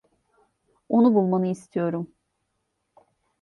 Onu bulmanı istiyorum.